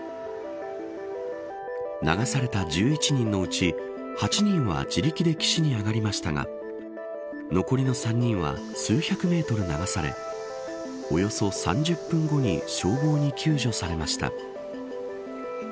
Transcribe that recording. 流された１１人のうち８人は自力で岸に上がりましたが残りの３人は数百メートル流されおよそ３０分後に消防に救助されました。